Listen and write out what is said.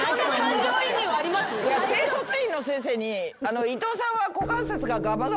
整骨院の先生に。